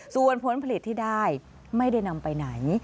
ส่วนผลผลิตที่ได้ไม่ได้นำไปไหน